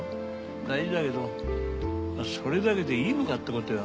大事だけどそれだけでいいのかってことよ。